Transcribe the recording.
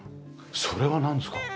それはなんですか？